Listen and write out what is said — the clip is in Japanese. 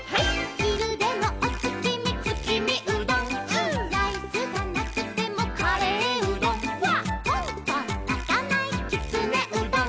「ひるでもおつきみつきみうどん」「」「ライスがなくてもカレーうどん」「」「こんこんなかないきつねうどん」「」